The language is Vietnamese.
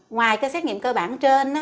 ngoài cái xét nghiệm cơ bản trên